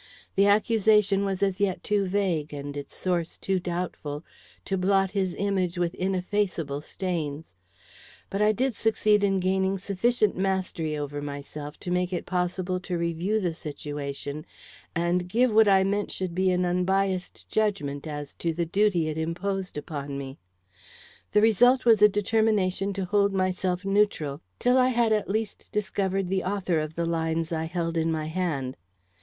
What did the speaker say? The accusation was as yet too vague, and its source too doubtful, to blot his image with ineffaceable stains; but I did succeed in gaining sufficient mastery over myself to make it possible to review the situation and give what I meant should be an unbiased judgment as to the duty it imposed upon me. The result was a determination to hold myself neutral till I had at least discovered the author of the lines I held in my hand.